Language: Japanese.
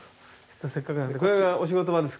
せっかくなんで。